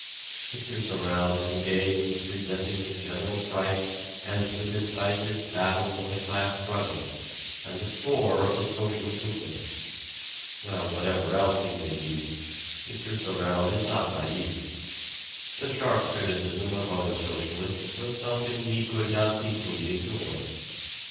M. Sorel is engaged in presenting the General Strike as the decisive battle of the class struggle and the core of the socialist movement. Now whatever else he may be, M. Sorel is not naïve: the sharp criticism of other socialists was something he could not peacefully ignore.